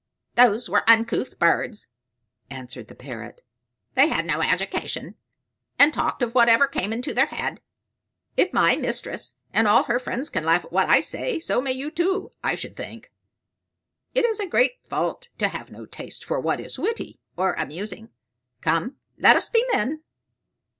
those were uncouth birds," answered the Parrot. "They had no education, and talked of whatever came into their head. "If my mistress and all her friends can laugh at what I say, so may you too, I should think. It is a great fault to have no taste for what is witty or amusing come, let us be men."